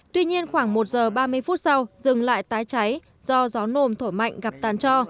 tuy nhiên khoảng một giờ ba mươi phút sau rừng lại tái cháy do gió nồm thổi mạnh gặp tàn trò